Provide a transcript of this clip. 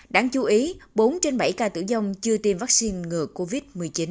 đáng chú ý bốn trên bảy ca tử vong chưa tiêm vaccine ngừa covid một mươi chín